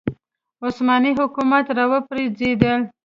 عثماني حکومت راوپرځېد